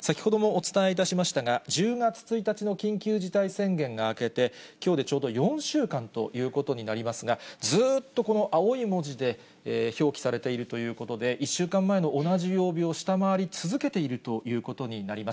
先ほどもお伝えいたしましたが、１０月１日の緊急事態宣言が明けて、きょうでちょうど４週間ということになりますが、ずっとこの青い文字で表記されているということで、１週間前の同じ曜日を下回り続けているということになります。